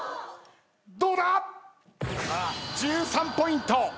どうだ⁉１３ポイント。